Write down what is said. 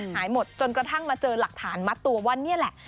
หายหมดจนกระทั่งมาเจอหลักฐานมัดตัวว่านี่แหละ